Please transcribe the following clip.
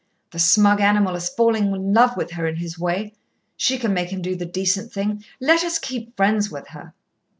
The smug animal is falling in love with her in his way. She can make him do the decent thing. Let us keep friends with her."